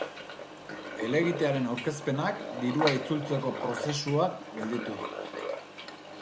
Helegitearen aurkezpenak dirua itzultzeko prozesua gelditu du.